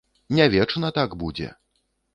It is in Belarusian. Не вечна так будзе!